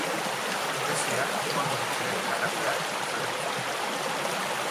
Tesia Koldo Mitxelena irakasleak zuzendu zion.